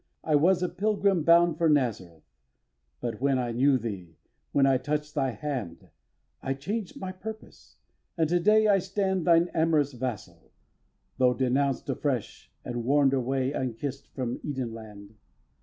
I was a pilgrim bound for Nazareth, But when I knew thee, when I touched thy hand, I changed my purpose; and to day I stand Thine amorous vassal, though denounced afresh And warn'd away, unkiss'd, from Edenland.